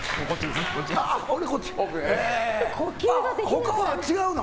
他は違うの？